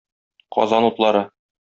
Казан утлары.